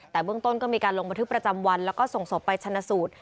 แต่เบื้องต้นก็มีการลงบันทึกประจำวันแล้วก็ส่งศพไปชนะสูตร